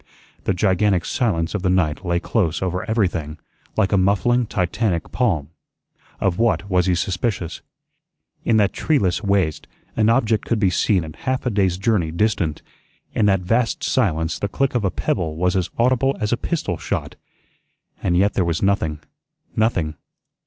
The gigantic silence of the night lay close over everything, like a muffling Titanic palm. Of what was he suspicious? In that treeless waste an object could be seen at half a day's journey distant. In that vast silence the click of a pebble was as audible as a pistol shot. And yet there was nothing, nothing.